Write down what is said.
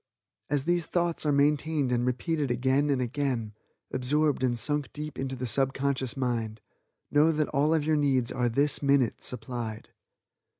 As these thoughts are maintained and repeated again and again, absorbed and sunk deep into the subconscious mind, know that all of your needs are this minute supplied.